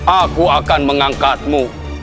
aku akan mengangkatmu